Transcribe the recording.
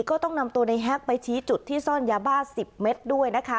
ก็ต้องนำตัวในแฮกไปชี้จุดที่ซ่อนยาบ้า๑๐เมตรด้วยนะคะ